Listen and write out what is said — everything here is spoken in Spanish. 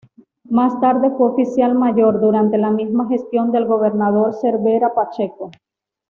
Más tarde, fue "Oficial Mayor" durante la misma gestión del gobernador Cervera Pacheco.